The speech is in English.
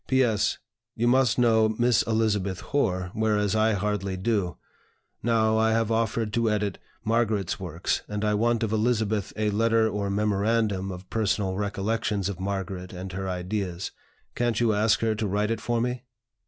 "P. S. You must know Miss Elizabeth Hoar, whereas I hardly do. Now, I have offered to edit Margaret's works, and I want of Elizabeth a letter or memorandum of personal recollections of Margaret and her ideas. Can't you ask her to write it for me?